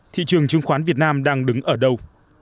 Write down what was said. thị trường chứng khoán việt nam đang đứng ở đâu